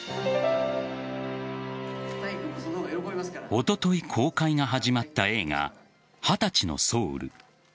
おととい、公開が始まった映画「２０歳のソウル」